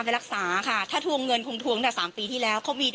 คืออยากจะถามว่าด่าเพื่ออะไร